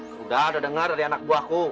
sudah udah dengar dari anak buahku